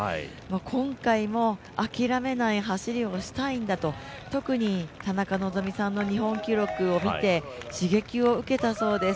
今回も諦めない走りをしたいんだと、特に田中希実さんの日本記録を見て、刺激を受けたそうです。